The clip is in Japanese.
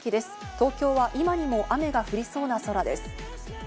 東京は今にも雨が降りそうな空です。